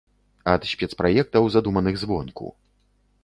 Ад спецпраектаў, задуманых звонку.